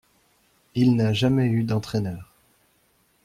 Il n'a jamais eu d'entraîneur.